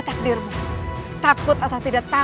kau di tempatku gusti ratu